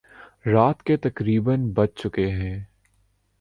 رات کے تقریبا بج چکے تھے